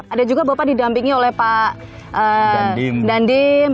ada juga bapak didampingi oleh pak dandim